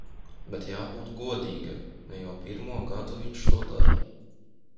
Bet jābūt godīgai, ne jau pirmo gadu viņš to dara.